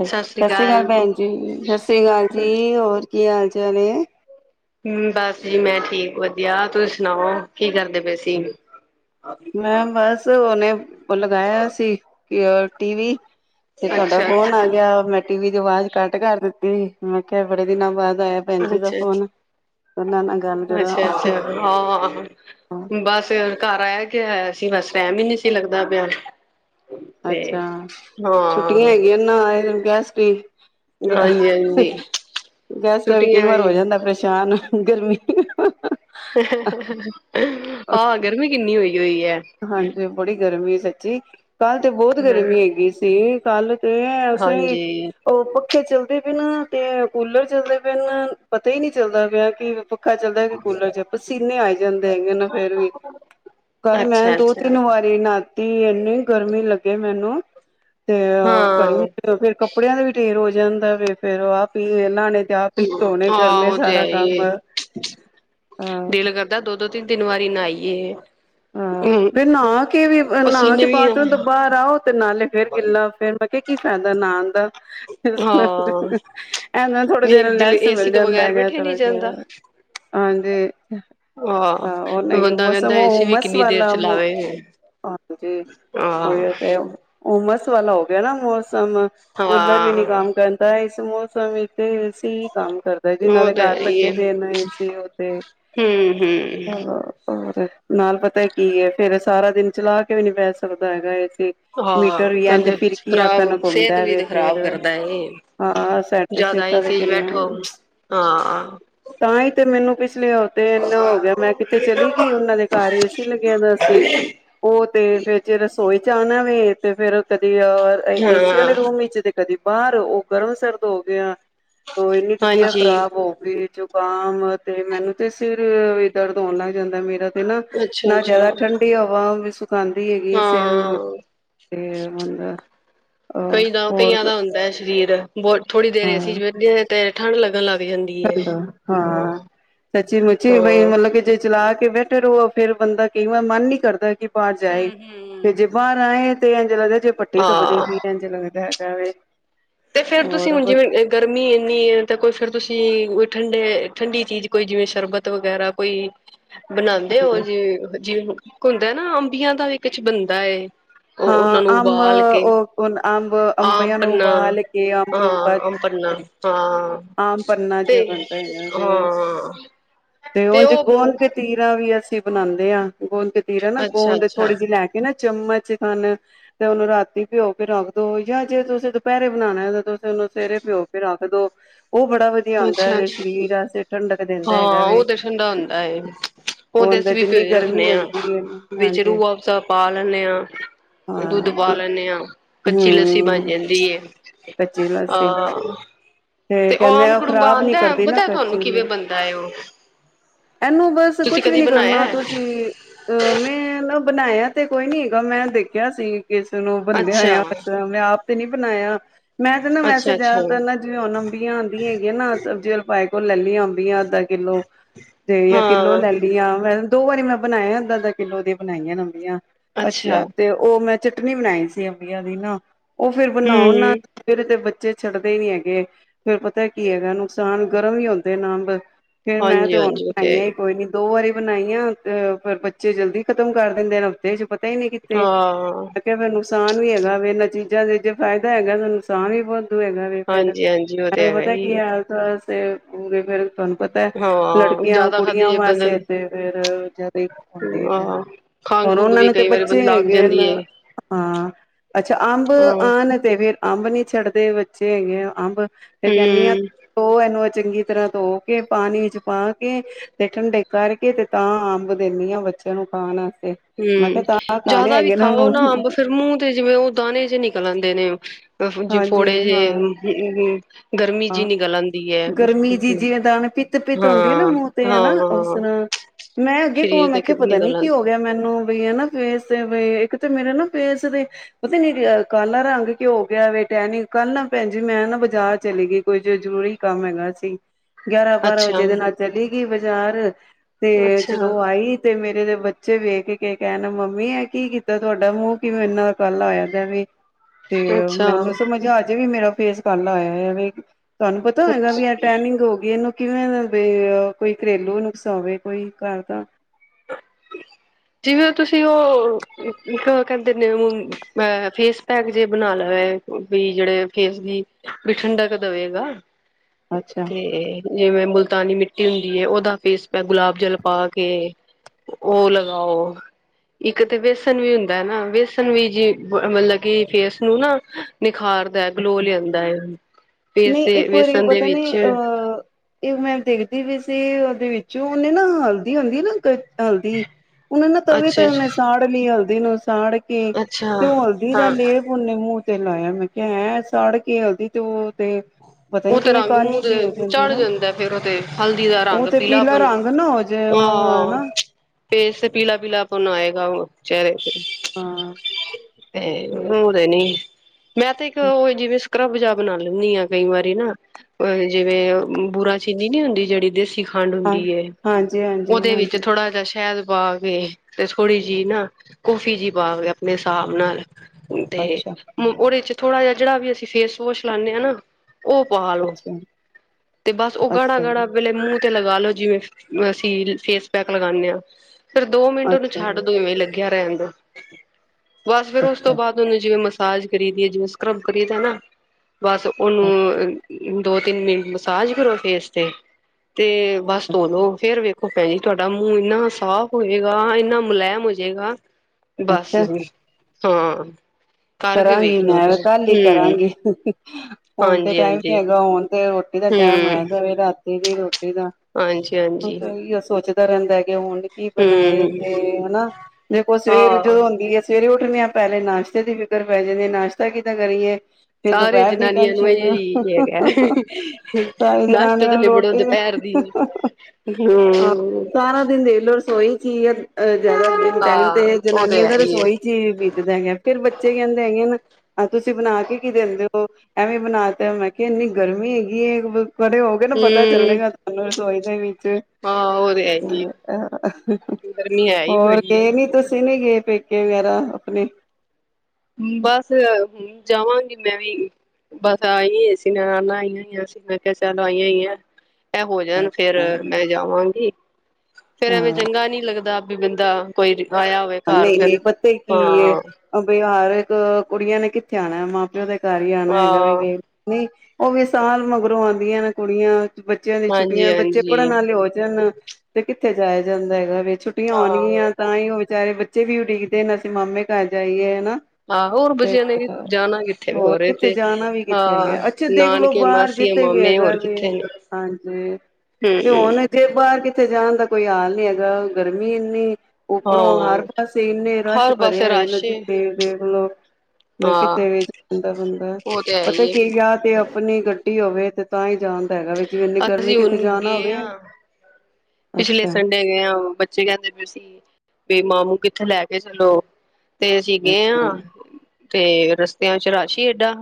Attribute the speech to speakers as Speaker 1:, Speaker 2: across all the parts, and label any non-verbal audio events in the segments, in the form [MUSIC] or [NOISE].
Speaker 1: ਸਤਿ ਸ੍ਰੀ ਅਕਾਲ ਭੈਣ ਜੀ ਸਤਿ ਸ੍ਰੀ ਅਕਾਲ ਜੀ ਹੋਰ ਕੀ ਹਾਲ ਚਾਲ ਇਹ
Speaker 2: ਬਸ ਜੀ ਮੈਂ ਠੀਕ ਵਧੀਆ ਤੁਸੀਂ ਸੁਣਾਓ। ਕੀ ਕਰਦੇ ਪਏ ਸੀ।
Speaker 1: ਮੈਂ ਬਸ ਹੁਣੇ ਲਗਾਇਆ ਸੀ ਕਿ ਟੀਵੀ ਤੇ ਤੁਹਾਡਾ
Speaker 2: ਅੱਛਾ,
Speaker 1: ਫੋਨ ਆ
Speaker 2: ਅੱਛਾ,
Speaker 1: ਗਿਆ ਮੈਂ ਟੀ ਵੀ ਦੀ ਆਵਾਜ਼ ਕੱਟ ਕਰ ਦਿੱਤੀ [UNINTELLIGIBLE] ਮੈਂ ਕਿਹਾ ਬੜੇ ਦਿਨਾਂ ਬਾਅਦ ਆਯਾ ਭੈਨਜੀ ਦਾ
Speaker 2: ਅੱਛਾ,
Speaker 1: ਫੋਨ। ਉਹਨਾਂ ਨਾਲ ਗੱਲ ਕਰਾਂ,
Speaker 2: ਅੱਛਾ ਅੱਛਾ, ਹਾਂ, ਬਸ ਘਰ ਆਇਆ ਗਿਆ ਹੈਆ। ਬਸ ਟੈਮ ਹੀ ਨਹੀਂ ਸੀ ਲੱਗਦਾ ਪਿਆ। ਤੇ
Speaker 1: ਅੱਛਾ,
Speaker 2: ਹਾਂ
Speaker 1: ਛੁੱਟੀਆਂ ਹੈਗੀਆਂ ਨਾਂ ਗੈਸਟ ਹੀ,
Speaker 2: ਹਾਂਜੀ, ਹਾਂਜੀ
Speaker 1: ਗੈਸਟ ਵੀ ਕਈ
Speaker 2: ਛੁੱਟੀਆਂ
Speaker 1: ਵਾਰ ਹੋ
Speaker 2: ਏ।
Speaker 1: ਜਾਂਦਾ ਪਰੇਸ਼ਾਨ ਗਰਮੀ [INAUDIBLE]
Speaker 2: [INAUDIBLE] ਹਾਂ ਗਰਮੀ ਕਿੰਨੀ ਹੋਈ ਹੋਈ ਹੈ।
Speaker 1: ਹਾਂਜੀ, ਬੜੀ ਗਰਮੀ ਸੀ। ਜੀ। ਕੱਲ ਤੇ ਬਹੁਤ
Speaker 2: ਹਾਂ
Speaker 1: ਗਰਮੀ ਹੈਗੀ ਸੀ। ਕੱਲ। ਤੇ ਹੈ ਓਸ ਰੈਈ,
Speaker 2: ਹਾਂਜੀ
Speaker 1: ਉਹ ਪੱਖੇ ਚੱਲਦੇ ਪਏ ਨ, ਤੇ ਕੂਲਰ ਚੱਲਦੇ ਪਏ ਨ, ਪਤਾ ਹੀ ਨਹੀਂ ਚੱਲਦਾ ਪਿਆ ਕਿ ਪ ਪੱਖਾਂ ਚੱਲਦਾ ਕਿ ਕੂਲਰ ਚ ਪਸੀਨੇ ਆਈ ਜਾਂਦੇ ਹੈਗੇ ਨਾ ਫੇਰ ਵੀ। ਮੈਂ
Speaker 2: ਅੱਛਾ,
Speaker 1: ਦੋ
Speaker 2: ਅੱਛਾ
Speaker 1: ਤਿੰਨ ਵਾਰੀ ਨਾਹ ਤੀ ਇੰਨੀ ਗਰਮੀ ਲੱਗੇ ਮੈਨੂੰ ਤੇ ਘੜੀ
Speaker 2: ਹਾਂ
Speaker 1: ਮੁ ਫੇਰ ਕੱਪੜਿਆਂ ਦੇ ਵੀੇ ਢੇਰ ਰੋਜ਼ ਜਾਂਦਾ ਵ ਫੇਰ ਆਪ ਹੀ ਇਹਾਂ ਨੇ।
Speaker 2: ਹਾਂ ਉਹ ਤੇ ਹੈ ਈ ਏ,
Speaker 1: ਹਾਂ
Speaker 2: ਦਿਲ ਕਰਦਾ ਦੋ ਦੋ ਤਿੰਨ ਤਿੰਨ ਵਾਰੀ ਨਾਈਏ।
Speaker 1: ਆਹ,
Speaker 2: ਹੂੰ
Speaker 1: ਫੇਰ ਨਹਾ ਕੇ ਵੀ, ਨਹਾ
Speaker 2: ਪਸੀਨੇ
Speaker 1: ਕੇ
Speaker 2: ਵੀ ਆ
Speaker 1: ਬਾਥਰੂਮ ਤੋਂ ਬਾਹਰ ਆਓ ਤੇ ਨਾਲੇ ਫੇਰ ਗਿੱਲਾ ਫੇਰ ਮੈਂ ਕੀ ਫਾਇਦਾ ਨਾਨ ਦਾ? [INAUDIBLE]
Speaker 2: ਹਾਂ
Speaker 1: ਇਹ ਨਾ ਥੋੜੇ ਦੇਰ
Speaker 2: ਨਹੀਂ ਦਿਲ
Speaker 1: ਰਿਲੈਕਸ ਮਿਲ
Speaker 2: ਏਸੀ ਤੋਂ
Speaker 1: ਜਾਂਦਾ
Speaker 2: ਬਗੈਰ
Speaker 1: ਹੈਗਾ
Speaker 2: ਬੈਠੇ
Speaker 1: ਥੋੜਾ
Speaker 2: ਨਹੀਂ ਜਾਂਦਾ
Speaker 1: ਜਿਹਾ, ਹਾਂਜੀ। ਤੇ ਹਾਂ, ਉਹ ਨਹੀਂ ਉਹ
Speaker 2: ਬੰਦਾ
Speaker 1: ਮੌਸਮ
Speaker 2: ਕਹਿੰਦਾ
Speaker 1: ਉਮਸ
Speaker 2: ਏਸੀ ਵੀ
Speaker 1: ਉਮਸ
Speaker 2: ਕਿੰਨੀ ਦੇਰ
Speaker 1: ਵਾਲਾ ਮੋ,
Speaker 2: ਚਲਾਵੇ
Speaker 1: ਹਾਂਜੀ,
Speaker 2: ਹਾਂ
Speaker 1: ਉਹੀ ਤੇ ਉਮਸ ਵਾਲਾ ਹੋ ਗਿਆ ਨਾ ਮੋਸ ਸਮ ਕੂਲਰ ਵੀ ਨੀ
Speaker 2: ਹਾਂ
Speaker 1: ਕੰਮ ਕਰਦਾ ਇਸ ਮੋਸ ਸਮ ਈ ਤੇ ਏਸੀ ਕੰਮ ਕਰਦਾ, ਜਿੰਨਾਂ ਦੇ
Speaker 2: ਉਹ ਤਾਂ
Speaker 1: ਘਰ
Speaker 2: ਹੈ ਹੀ
Speaker 1: ਲੱਗੇ
Speaker 2: ਹੈ
Speaker 1: ਦੇਨੇ ਏਸੀ ਉਹ ਤੇ
Speaker 2: ਹੂੰ ਹੂੰ
Speaker 1: ਹੋਰ ਉਸ ਤੇ ਨਾਲ ਪਤਾ ਤਾ ਕੀ ਏ, ਫੇਰ ਸਾਰਾ ਦਿਨ ਚਲਾ ਕੇ ਵੀ ਨੀ ਬੈ ਸਕਦਾ ਹੈਗਾ ਏ।
Speaker 2: ਹਾਂ
Speaker 1: ਮੀਟਰ ਵੀ ਇੰਝ
Speaker 2: ਕਹਿੰਦੇ
Speaker 1: ਫਿਰ ਕੀ
Speaker 2: ਖ਼ਰਾਬ
Speaker 1: ਆਖਣ
Speaker 2: ਸਿਹਤ
Speaker 1: ਘੁੰਮਦਾ
Speaker 2: ਵੀ
Speaker 1: ਵ
Speaker 2: ਤੇ
Speaker 1: ਫੇਰ
Speaker 2: ਖ਼ਰਾਬ ਕਰਦਾ ਏ
Speaker 1: ਹਾਂ ਸੈਂਟ
Speaker 2: ਜ਼ਿਆਦਾ
Speaker 1: ਤੇ
Speaker 2: ਏਸੀ ਚ
Speaker 1: ਕਿੰਨਾ
Speaker 2: ਬੈਠੋ ਹਾਂ
Speaker 1: ਤਾਂ ਹੀ ਤੇ ਮੈਨੂੰ ਲਓ ਤੇ ਇਨਾ ਹੋ ਗਿਆ ਮੈਂ ਕਿਤੇ ਚਲੀ ਗਈ ਉਹਨਾਂ ਦੇ ਘਰ ਲੱਗਿਆ ਦਾ ਸੀ ਉਹ ਤੇ ਫੇਰ ਚ ਰਸੋਈ ਚ ਆਨਾ ਵੇ ਤੇ ਫੇਰ ਤੇ ਏਸੀ
Speaker 2: ਹਾਂ
Speaker 1: ਵਾਲੇ ਰੂਮ ਵਿੱਚ ਤੇ ਕਦੀ ਬਾਹਰ ਉਹ ਗਰਮ ਸਿਰਦ ਹੋ ਗਿਆ। ਉਹ ਇੰਨੀ ਤਬੀਅਤ
Speaker 2: ਹਾਂਜੀ
Speaker 1: ਖ਼ਰਾਬ ਹੋ ਗਈ। ਬਾਮ ਤੇ ਮੈਨੂੰ ਤੇ ਸਿਰ ਇਧਰ ਦੋਣ ਲੱਗ ਜਾਂਦਾ ਮੇਰਾ ਹਨਾ,
Speaker 2: ਅੱਛਾ
Speaker 1: ਨਾ
Speaker 2: ਅੱਛਾ
Speaker 1: ਜਿਆਦਾ ਠੰਡੀ ਹਵਾ, ਪਸੰਦ ਹੀ ਹੈਗੀ ਸਿਰ ਨੂੰ
Speaker 2: ਹਾਂ
Speaker 1: ਤੇ ਬੰਦਾ ਅਹ
Speaker 2: ਕਈ ਦਾ
Speaker 1: ਹੋਰ
Speaker 2: ਕਈਆਂ ਦਾ ਹੁੰਦਾ ਹੈ ਸਰੀਰ ਬਹੁਤ ਥੋੜ੍ਹੀ ਦੇਰ ਏਸੀ ਚ
Speaker 1: ਹਾਂ
Speaker 2: ਵਹਿਨੇ ਠੰਡ ਲਗਣ ਲੱਗ ਜਾਂਦੀ ਹੈ।
Speaker 1: ਹਾਂ ਸਚੀ ਮੁੱਚੀ ਬਈ
Speaker 2: ਹਾਂ।
Speaker 1: ਮਤਲਬ ਕਿ ਜੇ ਚਲਾ ਕੇ ਬੈਠੇ ਰਹੋ ਫਿਰ ਬੰਦਾ ਕਈ ਵਾਰ ਮਨ ਨੀ ਕਰਦਾ ਕਿ ਬਾਹਰ ਜਾਏ
Speaker 2: ਹਮ
Speaker 1: ਤੇ ਜੇ
Speaker 2: ਹਮ।
Speaker 1: ਬਾਹਰ ਆਏ। ਤੇ ਇਝ ਲਗਦਾ, ਪੱਟੇ ਤਾਂ ਵਧੇ
Speaker 2: ਹਾਂ।
Speaker 1: ਵੀ ਇ ਜੇ ਲੱਗਦਾ, ਹ [UNINTELLIGIBLE]
Speaker 2: ਤੇ ਫੇਰ ਤੁਸੀਂ ਹੁਣ ਜਿਵੇਂ ਗਰਮੀ ਇੰਨੀ ਹੈ ਤਾਂ ਕੋਈ ਫੇਰ ਤੁਸੀਂ ਠੰਡੇ ਠੰਡੀ ਚੀਜ਼ ਕੋਈ ਜਿਵੇਂ ਸ਼ਰਬਤ ਵਗੈਰਾ ਕੋਈ ਬਣਾਦੇ ਉਹ
Speaker 1: ਹਾਂਜੀ
Speaker 2: ਜੀ ਜੀ, ਹੁੰਦਾ ਨਾ ਅੰਬੀਆਂ ਦਾ ਬੰਦਾ
Speaker 1: ਹਾਂ ਅੰਬ ਉਹ ਅੰਬ
Speaker 2: ਆਮ
Speaker 1: ਅੰਬਿਆਂ ਨੂੰ
Speaker 2: ਪੰਨਾ
Speaker 1: ਉਬਾਲ ਲੈ
Speaker 2: ਹਾਂ ਅਮ ਭਰਨਾ
Speaker 1: ਆਮ ਪੰਨਾ ਜਿਹਾ ਬਣਦਾ ਹੈਗਾ
Speaker 2: ਹਾਂ।
Speaker 1: ਤੇ ਉਝ ਗੁਦ ਕਤੀਰਾ ਵੀ ਅਸੀਂ ਬਣਾਨੇ ਆ। ਗੁਦ ਕ ਤੇਰ ਨਾ
Speaker 2: ਅੱਛਾ
Speaker 1: ਗੁਦ
Speaker 2: ਅੱਛਾ
Speaker 1: ਥੋੜ੍ਹੀ ਜਿਹੀ ਲੈ ਕੇ ਨਾ ਚਮਚ ਖਾਨਦੇ ਤੇ ਉਹਨੂੰ ਰਾਤੀ ਭਿਓ ਕੇ ਰੱਖ ਦੋ ਜਾਂ ਜੇ ਤੁਸੀਂ ਦੁਪਹਿਰੇ ਬਣਾਣਾ ਤਾਂ ਤੁਸੀਂ ਉਹਨੂੰ ਸਵੇਰੇ ਭਿਓ ਕੇ ਰੱਖ ਦੋ ਉਹ ਬੜਾ ਵਧੀਆ ਹੁੰਦਾ
Speaker 2: ਅੱਛਾ
Speaker 1: ਹੈ
Speaker 2: ਅੱਛਾ,
Speaker 1: ਸਰੀਰ ਵਾਸਤੇ ਠੰਡਕ ਦਿੰਦਾ ਹੈਗਾ
Speaker 2: ਹਾਂ ਉਹ
Speaker 1: ਵੇ
Speaker 2: ਤਾਂ ਠੰਡਾ ਹੁੰਦਾ ਐ ਉਹ ਤੇ ਅਸੀਂ
Speaker 1: ਅੰਦਰ
Speaker 2: ਵੀ ਪੀਓ
Speaker 1: ਜਿੰਨੀ
Speaker 2: ਏ
Speaker 1: ਗਰਮੀ
Speaker 2: ਰੱਖਨੇ ਆ
Speaker 1: ਆਉਂਦੀ ਹੈ
Speaker 2: ਵਿੱਚ
Speaker 1: ਹਾਂਜੀ
Speaker 2: ਰੂਆ ਵੂਸਾ ਪਾ ਲੈਂਨੇ ਆ ਦੁੱਧ
Speaker 1: ਹਾਂ
Speaker 2: ਪਾ ਲੈਂਨੇ ਆ ਕੱਚੀ ਲੱਸੀ ਬਣ
Speaker 1: ਹਮ
Speaker 2: ਜਾਂਦੀ ਹੈ
Speaker 1: ਕੱਚੀ ਲੱਸੀ
Speaker 2: ਆਹ
Speaker 1: ਤੇ ਕਹਿੰਦੇ ਆ। ਖ਼ਰਾਬ ਨੀ ਕਰਦੀ ਨਾ
Speaker 2: ਤੁਹਾਨੂੰ
Speaker 1: ਕੱਚੇ
Speaker 2: ਕਿਵੇਂ ਬਣਦਾ ਹੈ ਉਹ
Speaker 1: ਇਹਨੂੰ ਬਸ
Speaker 2: ਤੁਸੀਂ
Speaker 1: ਕੁਛ ਵੀ
Speaker 2: ਕਦੀ
Speaker 1: ਨੀ
Speaker 2: ਬਣਾਇਆ
Speaker 1: ਕਰਨਾ
Speaker 2: ਹੈ
Speaker 1: ਤੁਸੀਂ ਅਹ ਮੈਂ ਨਾ ਬਣਾਇਆ ਤੇ ਕੋਈ ਨੀ ਹੈਗਾ ਮੈਂ ਦੇਖਿਆ ਸੀ ਕਿਸ ਨੂੰ ਉਹ ਬਣ ਦੇ
Speaker 2: ਅੱਛਾ
Speaker 1: ਹੋਇਆ ਮੈਂ ਆਪ ਤੇ ਨਹੀਂ ਬਣਾਇਆ ਮੈਂ ਤਾਂ ਨਾ
Speaker 2: ਅੱਛਾ
Speaker 1: ਵੈਸੇ
Speaker 2: ਅੱਛਾ
Speaker 1: ਜ਼ਿਆਦਾਤਰ ਨਾ ਅੰਬੀਆਂ ਆਉਂਦੀਆਂ ਹੈਗੀਆਂ ਨਾ ਸਬਜ਼ੀਆਂ ਪਾ ਕੋ ਲੈ ਲਾਈਆ ਆਬੀਆਂ ਅੱਧਾ ਕਿੱਲੋ ਜ ਆ
Speaker 2: ਹਾਂ
Speaker 1: ਕਿੱਲੋ ਲੈ ਲਈ ਆ ਮੈਂ ਦੋ ਵਾਰੀ ਮੈਂ ਬਣਾਇਆ ਅੱਧਾ ਅੱਧਾ ਕਿੱਲੋ ਦੀਆਂ ਬਣਾਈਆਂ ਅੰਬੀਆਂ ਅੱਛਾ ਤੇ ਉਹ ਮੈਂ ਚਟਨੀ ਬਣਾਈ ਸੀ ਅੰਬੀਆਂ ਦੀ ਨਾ ਉਹ ਫੇਰ ਬਣਾਉਣ ਨਾ
Speaker 2: ਹਮ
Speaker 1: ਫਿਰ ਤੇ ਛੱਡਦੇ ਨੀ ਹੈਗੇ। ਫੇਰ ਪਤਾ ਕੀ ਹੈਗਾ ਨੁਕਸਾਨ ਗਰਮ ਵੀ ਹੁੰਦੇ ਨਾ ਅੰਬ ਫੇਰ ਮੈਂ
Speaker 2: ਹਾਂਜੀ
Speaker 1: ਤੇ ਹੁਣ
Speaker 2: ਹਾਂਜੀ ਉਹ ਤੇ ਹੈ
Speaker 1: ਬਣਾਈਆਂ
Speaker 2: ਹੀ
Speaker 1: ਕੋਈ ਨੀ ਦੋ ਵਾਰੀ ਬਣਾਈਆਂ ਤੇ ਪਰ ਬੱਚੇ ਜਲਦੀ ਖ਼ਤਮ ਕਰ ਦਿੰਦੇ ਹਫਤੇ ਚ ਪਤਾ ਹੀ ਨਹੀਂ ਕੀਤੇ
Speaker 2: ਹਾਂ
Speaker 1: ਮੈਂ ਕਿਹਾ ਮੈਨੂੰ ਨੁਕਸਾਨ ਵੀ ਹੈਗਾ ਵੇ ਇਹਨਾਂ ਚੀਜ਼ਾਂ ਦੇ ਜੇ ਫਾਇਦਾ ਹੈਗਾ ਤੇ ਨੁਕਸਾਨ ਵੀ ਬਹੁਤ ਹੈਗਾ ਵੀ ਫ਼ਿਰ
Speaker 2: ਹਾਂਜੀ ਹਾਂਜੀ ਉਹ ਤੇ ਹੈਗਾ ਹੀ ਏ।
Speaker 1: ਤੇ ਕੂਹਰੇ [INAUDIBLE] ਫਿਰ ਤੁਹਾਨੂੰ ਪਤਾ ਹੈ
Speaker 2: ਹਾਂ
Speaker 1: ਲੜਕੀਆਂ
Speaker 2: ਜ਼ਿਆਦਾ ਖਾਧੀ
Speaker 1: ਕੁੜੀਆਂ
Speaker 2: ਜੇ ਬੰਦਾ
Speaker 1: ਵਾਸਤੇ ਤੇ ਫਿਰ ਜ਼ਿਆਦਾ ਹੁੰਨੀ ਆ ਫਿਰ
Speaker 2: ਹਾਂ ਖੰਘ
Speaker 1: ਹਰ
Speaker 2: ਖੁੰਘ
Speaker 1: ਉਹਨਾਂ
Speaker 2: ਵੀ
Speaker 1: ਨੂੰ ਤੇ
Speaker 2: ਕਈ ਵਾਰੀ
Speaker 1: ਬੱਚੇ
Speaker 2: ਬੰਦ ਲੱਗ
Speaker 1: ਹੈਗੇ
Speaker 2: ਜਾਂਦੀ ਏ
Speaker 1: ਹਾਂ ਅੱਛਾ ਅੰਬ
Speaker 2: ਹਾਂ
Speaker 1: ਆਣ ਤੇ ਫਿਰ ਅੰਬ ਨੀ ਛੱਡਦੇ ਬੱਚੇ ਹੈਗੇ ਆ। ਅੰਬ ਤੇ ਕਹਿੰਦੀ ਆ
Speaker 2: ਹੂੰ
Speaker 1: ਧੋ ਇਹਨੂੰ ਚੰਗੀ ਤਰ੍ਹਾਂ ਧੋ ਕੇ ਪਾਣੀ ਵਿੱਚ ਪਾ ਕੇ ਤੇ ਠੰਡੇ ਕਰਕੇ ਤੇ ਤਾਂ ਅੰਬ ਦਿੰਦੀ ਹਾਂ ਬੱਚਿਆਂ ਨੂੰ ਖਾਣ। ਮੈਂ
Speaker 2: ਹੂੰ
Speaker 1: ਕਿਹਾ ਤਾਂ ਖਾਣੇ
Speaker 2: ਜ਼ਿਆਦਾ ਵੀ
Speaker 1: ਹੈਗੇ
Speaker 2: ਖਾਓ ਨਾ
Speaker 1: ਉਹਨੂੰ
Speaker 2: ਅੰਬ ਫਿਰ ਮੂੰਹ ਤੇ ਜਿਵੇਂ ਉਹ ਦਾਣੇ ਚ ਨਿਕਲ ਆਂਦੇ ਨੇ। ਜਿ
Speaker 1: ਹਾਂਜੀ
Speaker 2: ਫੋੜੇ
Speaker 1: ਹਾਂ
Speaker 2: ਜਿਹੇ ਗਰਮੀ
Speaker 1: ਹਾਂ
Speaker 2: ਜਿਹੀ ਨਿਕਲ ਆਂਦੀ ਐ,
Speaker 1: ਗਰਮੀ ਜੀ ਜਿਵੇਂ ਤਾਂ ਉਹਨੇ ਪਿੱਤ ਪਿੱਤ ਹੁੰਦੀ ਹੈ ਨਾ
Speaker 2: ਹਾਂ-
Speaker 1: ਮੂੰਹ ਤੇ ਹਨਾ ਉਸ
Speaker 2: ਹਾਂ
Speaker 1: ਤਰ੍ਹਾਂ ਮੈਂ ਅੱਗੇ ਕਵਾਂ
Speaker 2: ਸਰੀਰ
Speaker 1: ਮੈਂ
Speaker 2: ਦੇ ਕਿ
Speaker 1: ਕਿਹਾ ਪਤਾ ਨੀ
Speaker 2: ਨਿਕਲ
Speaker 1: ਕੀ
Speaker 2: ਆਂਦੇ।
Speaker 1: ਹੋ ਗਿਆ ਮੈਨੂੰ ਬਈ ਹੈ ਫੇਸ ਤੇ ਇੱਕ ਤੇ ਮੇਰੇ ਨਾ ਫੇਸ ਦੇ ਪਤਾ ਨੀ ਕਾਲਾ ਰੰਗ ਕਿਉ ਹੋ ਵੇ ਟੈਨਿਕ ਕੱਲ ਨਾ ਭੈਣ ਜੀ ਮੈਂ ਨਾ ਬਾਜ਼ਾਰ ਚਲੇ ਗਈ ਕੋਈ ਜ਼ਰੂਰੀ ਕੰਮ ਹੈਗਾ ਸੀ। ਗਿਆਰਾਂ ਬਾਰਾਂ
Speaker 2: ਅੱਛਾ
Speaker 1: ਵਜੇ ਦੇ ਨਾਲ ਚੱਲੀ ਗਈ ਬਾਜ਼ਾਰ ਤੇ
Speaker 2: ਅੱਛਾ
Speaker 1: ਜਦੋਂ ਆਈ ਤੇ ਮੇਰੇ ਜਦੇ ਬੱਚੇ ਵੇਖ ਕੇ ਕਹਿਣ ਮੰਮੀ ਇਹ ਕੀ ਕੀਤਾ ਤੁਹਾਡਾ ਮੂੰਹ ਕਿਵੇਂ ਇੰਨਾ ਕਾਲਾ ਹੋਇਆ ਪਿਆ ਵੀ ਤੇ
Speaker 2: ਅੱਛਾ
Speaker 1: ਮੈਨੂੰ ਸਮਝ ਆ ਜਾ ਵੀ ਮੇਰਾ ਫੇਸ ਕਾਲਾ ਹੋਇਆ ਪਿਆ ਵੀ। ਤੁਹਾਨੂੰ ਪਤਾ
Speaker 2: ਅੱਛਾ
Speaker 1: ਹੈਗਾ ਵੀ ਇਹ ਟੈਨਿੰਗ ਹੋ ਗਈ ਇਹਨੂੰ ਕਿਵੇਂ ਕੋਈ ਘਰੇਲੂ ਨੁਕਸਾ ਹੋਵੇ ਕੋਈ ਘਰ ਦਾ
Speaker 2: ਜਿਵੇਂ ਤੁਸੀਂ ਉਹ ਕਹਿੰਦੇ ਨੇ ਅ ਫੇਸ ਪੈਕ ਜੇ ਬਣਾ ਲੈ ਵੀ ਜਿਹੜੇ ਫੇਸ ਦੀ ਵੀ ਠੰਡਕ ਦੇਵੇਗਾ।
Speaker 1: ਅੱਛਾ
Speaker 2: ਤੇ ਜਿਵੇਂ ਮੁਲਤਾਨੀ ਮਿੱ ਟੀ ਹੁੰਦੀ ਹੈ ਉਹਦਾ ਫੇਸ ਪਿਆ ਗੁਲਾਬ ਜਲ ਪਾ ਕੇ ਉਹ ਲਗਾਓ ਇੱਕ ਤੇ ਵੇਸਣ ਵੀ ਹੁੰਦਾ ਹੈ ਨਾ ਵੇਸਣ ਵੀ ਜੀ ਮਤਲਬ ਕਿ ਫੇਸ ਖਾਰਦਾ ਗਲੋ
Speaker 1: ਅੱਛਾ
Speaker 2: ਲਿਆਂਦਾ ਹੈ ਫੇਸ
Speaker 1: ਨਹੀਂ ਇੱਕ ਵਾਰੀ
Speaker 2: ਵੇਸਣ ਦੇ
Speaker 1: ਪਤਾ
Speaker 2: ਵਿੱਚ
Speaker 1: ਨੀ ਅਹ ਇਹ ਮੈਂ ਦੇਖਦੀ ਵੀ ਸੀ ਉਹਦੇ ਵਿੱਚੋਂ ਉਹਨੇ ਨਾ ਹਲਦੀ ਹੁੰਦੀ ਨਾ ਕੱ ਹਲਦੀ ਹੁਣ ਉਹਨੇ ਨਾ ਤਵੇ
Speaker 2: ਅੱਛਾ
Speaker 1: ਤੇ ਸਾੜ ਲੀ ਹਲ ਦੀ ਨੂੰ ਸਾੜ ਕੇ
Speaker 2: ਅੱਛਾ
Speaker 1: ਤੇ ਉਹ ਹਲਦੀ ਦਾ
Speaker 2: ਹਾਂ
Speaker 1: ਲੇਪ ਉਹਨੇ ਮੂੰਹ ਤੇ ਲਾਇਆ ਮੈਂ ਹੈਂ ਸਾੜ ਹਲਦੀ ਤੇ ਉਹ ਤੇ ਪਤਾ
Speaker 2: ਉਹ
Speaker 1: ਨੀ
Speaker 2: ਤੇ
Speaker 1: ਕਿਵੇਂ
Speaker 2: ਰੰਗ ਮੂੰਹ
Speaker 1: ਕਾਲੀ ਜਿਹੀ ਹੋ
Speaker 2: ਤੇ
Speaker 1: ਜਾਂਦੀ
Speaker 2: ਚੜ
Speaker 1: ਨਾ
Speaker 2: ਜਾਂਦਾ ਫੇਰ ਉਹ ਤੇ ਹਲਦੀ ਦਾ
Speaker 1: ਉਹ
Speaker 2: ਰੰਗ
Speaker 1: ਤੇ ਪੀਲਾ
Speaker 2: ਪੀਲਾਪਨ
Speaker 1: ਰੰਗ ਨਾ ਹੋ ਜੇ ਮੂੰਹ ਦਾ
Speaker 2: ਆਹ
Speaker 1: ਨਾ
Speaker 2: ਫੇਸ ਤੇ ਪੀਲਾ ਪੀਲਾਪਨ ਆਏਗਾ ਚਰੇ
Speaker 1: ਹਾਂ
Speaker 2: ਤੇ ਉਹ ਤੇ ਨੀ ਮੈਂ ਤਾਂ ਇੱਕ ਜਿਵੇਂ ਸਕਰੱਬ ਬਣਾ ਲੈਂਦੀ ਹਾਂ ਕਈ ਵਾਰੀ ਨਾ ਅ ਜਿਵੇਂ ਬੁਰਾ ਚੀਜ਼ ਹੀ ਨੀ ਹੁੰਦੀ ਜਿਹੜੀ ਦੇਸੀ ਖੰਡ
Speaker 1: ਹਾਂ
Speaker 2: ਹੁੰਦੀ
Speaker 1: ਹਾਂਜੀ ਹਾਂਜੀ
Speaker 2: ਉਹਦੇ ਵਿੱਚ
Speaker 1: ਹਾਂਜੀ
Speaker 2: ਥੋੜਾ ਜਿ ਸ਼ਹਿਦ ਪਾ ਕੇ ਤੇ ਥੋੜ੍ਹੀ ਜਿਹੀ ਨਾ ਕੋਫੀ ਜਿਹੀ ਪਾ ਕੇ ਆਪਣੇ ਹਿਸਾਬ ਨਾਲ ਤੇ
Speaker 1: ਅੱਛਾ
Speaker 2: ਉਹਦੇ ਚ ਥੋੜਾ ਜਿਹਾ ਜਿਹੜਾ ਵੀ ਅਸੀਂ ਫੇਸ ਵੋਸ਼ ਲਾਂਦੇ ਹਾਂ ਨਾ ਉਹ ਪਾ ਲੋ
Speaker 1: ਅੱਛਾ
Speaker 2: ਤੇ ਬਸ ਉਹ ਗਾੜਾ
Speaker 1: ਅੱਛਾ
Speaker 2: ਗਾੜਾ
Speaker 1: ਜੀ
Speaker 2: ਵੇਲੇ ਮੂੰਹ ਤੇ ਲਗਾ ਲੋੋ ਜਿਵੇਂ ਅਸੀਂ ਫੇਸ ਪੈਕ ਲਗਾਦੇ ਹਾਂ ਫਿਰ ਦੋ ਮਿੰਟ ਉਹਨੂੰ
Speaker 1: ਅੱਛਾ
Speaker 2: ਛੱਡੋ
Speaker 1: ਜੀ
Speaker 2: ਇਵੇਂ ਲੱਗੇ ਲੱਗਿਆ ਰਹਿਣ ਦੋ ਬਸ ਫਿਰ ਉਸ ਤੋਂ
Speaker 1: ਅੱਛਾ
Speaker 2: ਬਾਅਦ ਉਹਨੇ ਜਿਵੇਂ ਮ ਮਸਾਜ ਕਰੀਦੀ ਹ ਜਿਵੇਂ ਸਕਰੱਬ ਕਰੀਦਾ ਬਸ ਉਹਨੂੰ ਦੋ ਤਿੰਨ ਮਿੰਟ ਮਸਾਜ ਕਰੋ ਫੇਸ ਤੇ ਤੇ ਬਸ ਧੋਲੋ
Speaker 1: ਅੱਛਾ
Speaker 2: ਫੇਰ ਵੇਖੋ ਭੈਣ ਜੀ ਤੁਹਾਡਾ ਮੂੰਹ ਇੰਨਾ ਸਾਫ਼ ਹੋਏਗਾ। ਇੰਨਾ ਮੁਲਾਇਮ ਜੇਗਾ। ਬਸ
Speaker 1: ਅੱਛਾ
Speaker 2: ਜੀ ਹਾਂ। ਕਰਕੇ
Speaker 1: ਕਰਾਂਗੀ
Speaker 2: ਵੇਖਣਾ
Speaker 1: ਮੈਂ
Speaker 2: ਤੁਸੀਂ
Speaker 1: ਕੱਲ ਹੀ
Speaker 2: ਹਮ
Speaker 1: ਕਰਾਂਗੀ ਫੋਨ ਤੇ।
Speaker 2: ਹਾਂਜੀ
Speaker 1: ਟਾਈਮ ਨੀ
Speaker 2: ਹਾਂਜੀ
Speaker 1: ਹੈਗਾ ਹੁਣ ਤੇ ਰੋਟੀ ਦਾ ਟਾਈਮ
Speaker 2: ਹਮ
Speaker 1: ਹੈਇਆ ਵੇ ਰਾ ਤੁਹੀ ਰੌ ਗਾ।
Speaker 2: ਹਾਂਜੀ
Speaker 1: ਹੁਣ
Speaker 2: ਹਾਂਜੀ
Speaker 1: ਤੇ ਓਇਓ ਸੋਚ ਰਹਿੰਦਾ ਹੈ। ਹੁਣ ਕੀ ਬਣਾਏ
Speaker 2: ਹਮ
Speaker 1: ਤੇ ਹਨਾ ਦੇੇਖੋ ਸਵੇਰ ਜਦੋਂ
Speaker 2: ਹਾਂ
Speaker 1: ਹੁੰਦੀ ਹੈ। ਸਵੇਰੇ ਉੱਠ ਆਂ ਪਹਿਲੇ ਨਾਸ਼ਤੇ ਦੀ ਵੀ ਦੀ ਪੈ ਜਾਂਦੇ ਨਾਸ਼ਤਾ ਕਿੱਦਾਂ ਕਰੀਏ? ਫਿਰ
Speaker 2: ਸਾਰੇ
Speaker 1: ਦੁਪਹਿਰ ਦੀ
Speaker 2: ਜਨਾਨੀਆਂ ਨੂੰ ਏਹਿਹੋ ਹੈਗਾ
Speaker 1: ਟੈਨਸ਼ਨ
Speaker 2: [UNINTELLIGIBLE]
Speaker 1: ਸਾਰੀ
Speaker 2: ਨਾਸ਼ਤੇ
Speaker 1: ਜਨਾਨੀਆਂ
Speaker 2: ਤੋਂ
Speaker 1: ਨੂੰ
Speaker 2: ਨਿਬੜੋ
Speaker 1: ਰੋਟੀ ਹਾਂ
Speaker 2: ਦੁਪਹਿਰ ਦੀ [UNINTELLIGIBLE] ਹੂੰ।
Speaker 1: ਕੀ ਅ। ਅਹ ਜ਼ਿਆਦਾ ਦਿਨ ਟਾਈਮ ਤੇ
Speaker 2: ਉਹ ਤੇ
Speaker 1: ਜਨਾਨੀਆਂ
Speaker 2: ਹੈ
Speaker 1: ਦਾ
Speaker 2: ਹੀ ਹੈ।
Speaker 1: ਰਸੋਈ ਚ ਹੀ ਬੀਤਦਾ ਹੈਗਾ ਫਿਰ ਬ ਬੱਚੇ ਕਹਿੰਦੇ ਹੈਗੇ ਨੇ ਹਾਂ, ਤੁਸੀਂ ਬਣਾ ਕੇ ਕੀ ਦਿੰਦੇ ਹੋ? ਐਵੇਂ ਬਣਾ ਤੇ, ਮੈਂ ਕਿਹਾ ਇੰਨੀ ਗਰਮੀ ਹੈਗੀ ਏ। ਬੜੇ ਹੋਓਗੇ ਨਾ ਪਤਾ
Speaker 2: ਹੂੰ
Speaker 1: ਚੱਲੇਗਾ ਤੁਹਾਨੂੰ। ਘਰ ਦਾ ਵੀ ਫੇਰ,
Speaker 2: ਹਾਂ ਉਹ ਤੇ ਹੈ ਹੀ ਹੈ। ਗਰਮੀ ਹੈ ਹੀ
Speaker 1: ਹੋਰ
Speaker 2: ਬੜੀ
Speaker 1: ਗਏ
Speaker 2: ਹੈ।
Speaker 1: ਨੀ ਤੁਸੀਂ ਨੀ ਗਏ? ਪੇਕੇ ਵਗੈਰਾ ਆਪਨੇ
Speaker 2: ਬਸ, ਹੂੰ। ਜਾਵਾਂਗੀ ਮੈਂ ਵੀ ਬਸ ਆਈ ਸੀ ਨਨਾਨਾਂ, ਆਈਆਂ ਹੋਈਆਂ ਸੀ। ਮੈਂ ਕਿਹਾ ਚੱਲ ਆਈਆਂ ਹੋਇਆ ਇਹ ਹੋ ਜਾਨ ਫੇਰ
Speaker 1: ਅੱਛਾ
Speaker 2: ਮੈਂ ਜਾਵਾਂਗੀ। ਫੇਰ ਐਵੇਂ
Speaker 1: ਹਾਂ
Speaker 2: ਚੰਗਾ ਨੀ ਲੱਗਦਾ। ਵੀ ਬੰਦਾ ਕੋਈ ਆਇਆ ਹੋਵੇ ਘਰ
Speaker 1: ਨਹੀਂ,
Speaker 2: ਫੇਰ
Speaker 1: ਨਹੀਂ ਪਤਾ ਕੀ ਏ
Speaker 2: ਹਾਂ
Speaker 1: ਬੀ ਹਰ ਅ ਕੁੜੀਆਂ ਨੇ ਕਿੱਥੇ ਆਣਾ ਮਾਂ ਪਿਓ ਦੇ ਘਰ ਹੀ ਆਨਾ ਹੈਗਾ ਵੇ
Speaker 2: ਹਾਂ
Speaker 1: ਫੇਰ, ਨਈ। ਉਹ ਵੀ ਸਾਲ ਮਗਰੋਂ ਆਂਦੀਆਂ ਨੇ ਕੁੜੀਆਂ। ਬੱਚਿਆਂ ਦੀ
Speaker 2: ਹਾਂਜੀ
Speaker 1: ਛੁੱਟੀਆਂ ਬੱਚੇ
Speaker 2: ਹਾਂਜੀ
Speaker 1: ਪੜ੍ਹਨ ਨਾਲੇ ਹੋ ਜਾਨ। ਤੇ ਕਿੱਥੇ ਜਾਇਆ ਜਾਂਦਾ ਹੈਗਾ ਵੇ। ਛੁੱਟੀਆਂ
Speaker 2: ਹਾਂ
Speaker 1: ਹੋਨਗੀਆਂ ਤਾਂ ਹੀ ਓ ਵਿਚਾਰੇ ਬੱਚੇ ਵੀ ਉਡੀਕਦੇ ਨੇ ਅਸੀਂ ਮਾਮੇ ਘਰ ਜਾਈਏ, ਹਨਾ?
Speaker 2: ਆਹੋ ਹੋਰ
Speaker 1: ਤੇ
Speaker 2: ਬੱਚਿਆਂ ਨੇ ਜਾਨਾ ਕਿੱਥੇ ਵੇ ਹੋਰ, ਇਹ
Speaker 1: ਕਿੱਥੇ
Speaker 2: ਤੇ
Speaker 1: ਜਾਣਾ ਵੀ ਕਿੱਥੇ
Speaker 2: ਹਾਂ
Speaker 1: ਹੈਗਾ ਅੱਛਾ ਦੇਖਲੋ
Speaker 2: ਨਾਨਕੇ,
Speaker 1: ਬਾਹਰ
Speaker 2: ਮਾਸੀਆਂ,
Speaker 1: ਜਿੱਥੇ ਵੀ
Speaker 2: ਮਾਮੇ
Speaker 1: ਹੈਗਾ
Speaker 2: ਹੋਰ
Speaker 1: ਵੀ
Speaker 2: ਕਿੱਥੇ ਨੇ
Speaker 1: ਹਾਂਜੀ
Speaker 2: ਹੂੰ
Speaker 1: ਕਿੱਥੇ ਜਾਨ ਦਾ ਕੋਈ ਹਾਲ ਨਹੀਂ ਹੈਗਾ, ਗਰਮੀ ਇੰਨੀ ਉਪਰੋਂ
Speaker 2: ਹਾਂ
Speaker 1: ਹਰ ਪਾਸੇ ਇੰਨੇ ਰਸ਼
Speaker 2: ਹਰ
Speaker 1: ਭਰੇ
Speaker 2: ਪਾਸੇ
Speaker 1: ਹੋਏ ਨਾ
Speaker 2: ਰਸ਼ ਏ
Speaker 1: ਜਿੱਥੇ ਵੇਖਲੋ,
Speaker 2: ਹਾਂ
Speaker 1: ਕਿਤੇ ਵੀੇ ਜਾਂਦਾ ਬੰਦਾ
Speaker 2: ਉਹ ਤੇ ਹੈ
Speaker 1: ਪਤਾ
Speaker 2: ਹੀ ਏ
Speaker 1: ਕੀ ਯਾ ਤੇ ਆਪਣੀ ਗੱ ਹੋਵੇ ਤੇ ਤਾਂ ਹੀ ਜਾਣ ਦਾ ਹੈਗਾ ਵੀ ਜਿਵੇਂ ਇੰਨੀ ਗਰਮੀ
Speaker 2: ਅਸੀਂ
Speaker 1: ਕਿਤੇ
Speaker 2: ਹੁਨ
Speaker 1: ਜਾਣਾ
Speaker 2: ਗਏ
Speaker 1: ਹੋਵੇ
Speaker 2: ਆਂ ਪਿਛਲੇ
Speaker 1: ਅੱਛਾ
Speaker 2: ਸੰਡੇ ਗਏ ਆਂ, ਬੱਚੇ ਕਹਿੰਦੇ ਪਏ ਸੀ ਬਈ ਮਾਮੂ ਕਿੱਥੇ ਲੈ ਕੇ ਚਲੋ। ਤੇ ਅਸੀਂ ਗਏ
Speaker 1: ਅੱਛਾ
Speaker 2: ਆਂ ਤੇ ਰਸਤਿਆਂ ਚ ਰਸ਼ ਹੀ ਏਡਾ,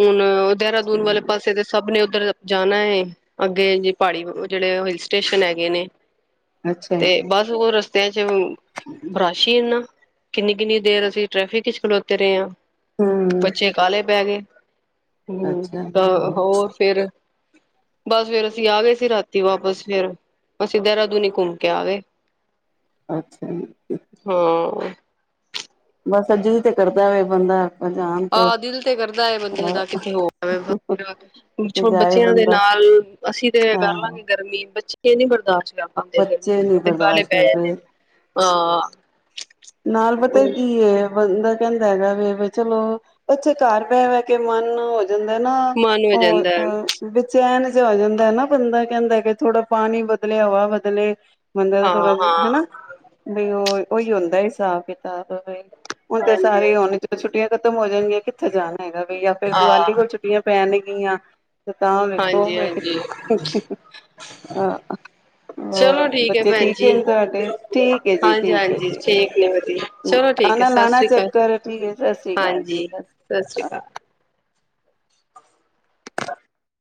Speaker 2: ਹੁਨ ਦੇਹਰਾਦੂਨ ਵਾਲੇ ਪਾਸੇ ਤੇ ਸਭ ਨੇ। [UNINTELLIGIBLE] ਜਾਨਾ ਏ, ਅੱਗੇ ਜੇ ਪਹਾੜੀ ਜਿਹੜੇ ਹਿਲ ਸਟੇਸ਼ਨ ਹੈਗੇ ਨੇ
Speaker 1: ਅੱਛਾ ਅੱਛਾ
Speaker 2: ਤੇ ਬਸ ਉਹ ਰਸ ਰਸਤਿਆਂ ਚ ਰਾਸ਼ ਹੀ ਇਨਾ, ਕਿੰਨੀ-ਕਿੰਨੀ ਦੇਰ ਅਸੀਂ ਟ੍ਰੈਫਿਕ ਚ ਖਲੋਤੇ ਰਹੇ ਆਂ।
Speaker 1: ਹਮ
Speaker 2: ਬੱਚੇ ਕਾਹਾਲੇ ਪੈ ਗਏ। ਹੂ,
Speaker 1: ਅੱਛਾ
Speaker 2: ਤਾਂ, ਹੋਰ ਫੇਰ ਬਸ ਫੇਰ ਅਸੀਂ ਆ ਗਏ ਸੀ ਰਾਤੀ ਵਾਪਸ ਫੇਰ, ਅਸੀਂ ਦੇਹਰਾਦੂਨੀ ਘੁੰਮ ਕੇ ਆ ਗਏ।
Speaker 1: ਅੱਛਾ ਜੀ,
Speaker 2: ਹਾਂ
Speaker 1: ਬਸ ਅੱਜੇ ਵੀ ਤੇ ਕਰਦਾ ਏ ਬੰਦਾ
Speaker 2: ਆਹ, ਦਿਲ ਤੇ ਕਰਦਾ ਹੈ ਬੰਦੇ ਦਾ
Speaker 1: ਅ
Speaker 2: ਕਿੱਥੇ ਹੋ ਆਵੇ
Speaker 1: ਕਿਤੇ
Speaker 2: ਫਿਰ
Speaker 1: ਜਾਏ
Speaker 2: ਬੱਚਿਆਂ ਦੇ
Speaker 1: ਬੰਦਾ
Speaker 2: ਨਾਲ, ਅਸੀਂ ਤੇ ਕਰ
Speaker 1: ਹਾਂ
Speaker 2: ਲਾਂਗੇ ਗਰਮੀ ਬੱਚੇ ਕਿ ਨੀ ਬਰਦਾਸ਼ਤ ਉਂਦੇ
Speaker 1: ਬੱਚੇ
Speaker 2: ਗਰਮੀ
Speaker 1: ਨੀ
Speaker 2: ਉਥ ਕਾਲੇ
Speaker 1: ਬਰਦਾਸ਼ਤ
Speaker 2: ਪੈ
Speaker 1: ਕਰਦੇ
Speaker 2: ਜਾਂਦੇ ਨੇ। ਹਾਂ,
Speaker 1: ਨਾਲ ਪਤਾ ਕੀ ਏ ਬੰਦਾ ਕਹਿੰਦਾ ਹੈਗਾ ਵੀ ਚਲੋ, ਬਚੇ ਘਰ ਬੈ -ਬੈ ਕੇ ਮਨ ਜਾਂਦਾ ਨਾ।
Speaker 2: ਮਨ ਹੋ ਜਾਂਦਾ ਹੈ
Speaker 1: ਉਹ ਬੇਚੈਨ ਆ ਜਾਂਦਾ ਨਾ ਬੰਦਾ ਕਹਿੰਦਾ ਕਿ ਥੋੜਾ ਪਾਣੀ ਬਦਲੇ, ਹਵਾ ਬਦਲੇ ਬੰਦੇ ਦਾ
Speaker 2: ਹਾਂ
Speaker 1: ਥੋੜਾ ਜਿ, ਹੈਨਾ,
Speaker 2: ਹਾਂ
Speaker 1: ਬਈ ਹੋਰ ਔ ਹੀ ਹੁੰਦਾ। ਹਿਸਾਬ -ਕਿਤਾਬ ਔ ਦੋ ਹੀ ਹੁਣ ਤੇ
Speaker 2: ਹਾਂਜੀ
Speaker 1: ਸਾਰੇ ਉਹਣ ਜਦੋਂ ਛੁਟੀਆਂ ਖ਼ਤਮ ਹੋ ਜਾਣਗੀਆਂ ਕਿੱਥੇ ਜਾਣਾ ਏ ਹੈਗਾ ਵੀ ਜਾਂ ਫਿਰ
Speaker 2: ਹਾਂ
Speaker 1: ਦੀਵਾਲੀ ਕੋਲ ਛੁੱਟੀਆਂ ਪੈਣ ਅੀਆਂ ਤਾਂ ਵੇਖੋ।
Speaker 2: ਹਾਂਜੀ ਹਾਂਜੀ
Speaker 1: ਹਾਂ, ਹੋਰ
Speaker 2: ਚਲੋ ਹੈ
Speaker 1: ਬੱਚੇ
Speaker 2: ਭੈਣ
Speaker 1: ਠੀਕ ਏ
Speaker 2: ਜੀ
Speaker 1: ਤੁਹਾਡੇ? ਠੀਕ ਹੈ ਜੀ,
Speaker 2: ਹਾਂਜੀ
Speaker 1: ਠੀਕ ਹੈ
Speaker 2: ਹਾਂਜੀ ਠੀਕ ਨੇ ਵਧੀਆ
Speaker 1: ਜੀ।
Speaker 2: ਚਲੋ ਠੀਕ ਹੈ
Speaker 1: ਆਣਾ
Speaker 2: ਸਤਿ
Speaker 1: ਲਾਣਾ
Speaker 2: ਸ੍ਰੀ ਅਕਾਲ
Speaker 1: ਚੱਕਰ। ਠੀਕ ਹੈ, ਸਤਿ ਸ੍ਰੀ ਕਾਲ ਜੀ, ਸਤਿ ਸ੍ਰੀ ਕਾਲ।